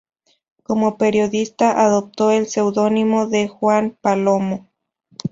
Como periodista adoptó el seudónimo de "Juan Palomo".